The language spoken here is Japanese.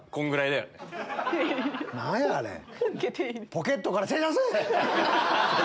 ポケットから手出せ！